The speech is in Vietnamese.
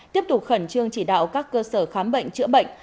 tiếp tục khẩn trương chỉ đạo các cơ sở khám bệnh chữa bệnh